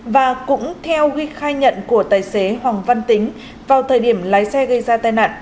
và cũng theo ghi khai nhận của tài xế hoàng văn tính vào thời điểm lái xe gây ra tai nạn